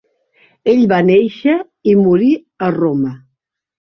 Ell va néixer i morir a Roma.